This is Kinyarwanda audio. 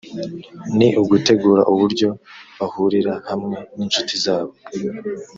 ni ugutegura uburyo bahurira hamwe n incuti zabo